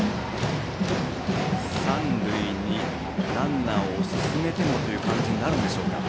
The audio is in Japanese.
三塁にランナーを進めてもという感じになるんでしょうか。